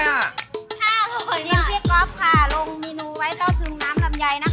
ห้าหรอยมากคุณพี่ไปกินพี่ก็อฟค่ะลงเมนูไว้เต้าถึงน้ำลำไยนะคะ